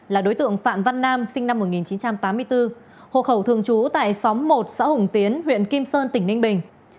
là đối tượng phạm văn nam sinh năm một nghìn chín trăm tám mươi bốn hộ khẩu thường trú tại xóm một xã hùng tiến huyện kim sơn tỉnh ninh bình